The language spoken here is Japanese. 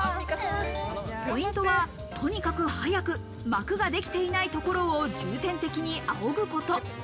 ポイントはとにかく早く膜ができていないところを重点的にあおぐこと。